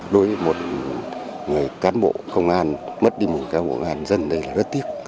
đối với một cán bộ công an mất đi một cán bộ công an dân